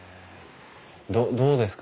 どうですか？